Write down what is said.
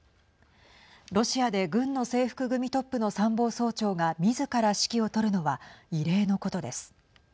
ロシアで軍の制服組トップの参謀総長がみずから指揮を執るのは異例のことです。